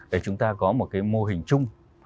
để chúng ta có một cái mô hình chung